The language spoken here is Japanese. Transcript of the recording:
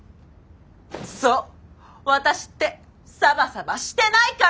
そうワタシってサバサバしてないから！